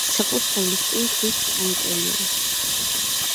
საკურთხევლის წინ ქვის კანკელია.